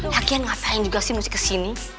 lagian ngapain juga sih masih kesini